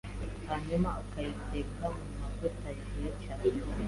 Hanyuma ukayiteka mu mavuta yahiye cyane,